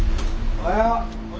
おはよう。